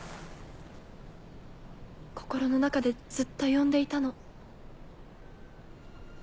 心の中でずっと呼んでいたの。